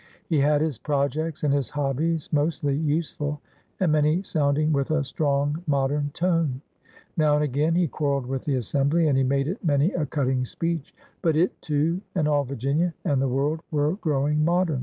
He had his projects and his hobbies, mostly useful, and many sounding with a strong modem tone. Now and again he quarreled with the Assembly, and he made it many a cutting speech. But it, too, and all Virginia and the world were growing modem.